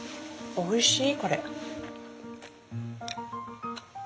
おいしい。